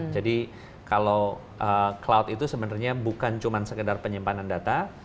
jadi kalau cloud itu sebenarnya bukan cuma sekedar penyimpanan data